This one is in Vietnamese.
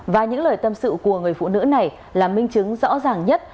và những lời tâm sự của người phụ nữ này là minh chứng rõ ràng nhất